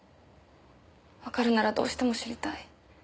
わかるならどうしても知りたい。